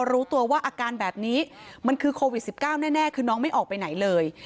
รู้ตัวว่าอาการแบบนี้มันคือโควิด๑๙แน่คือน้องไม่ออกไปไหนเลย